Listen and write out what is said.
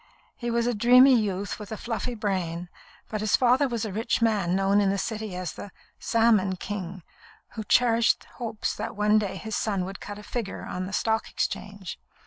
He was a dreamy youth with a fluffy brain, but his father was a rich man known in the City as "the Salmon King," who cherished hopes that one day his son would cut a figure on the Stock Exchange.